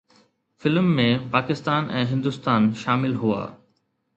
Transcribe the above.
film ۾ Pakistan ۽ Hindustan شامل هئا